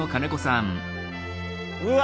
うわ！